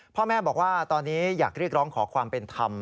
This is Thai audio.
พ่อแม่บอกว่าตอนนี้อยากเรียกร้องขอความเป็นธรรม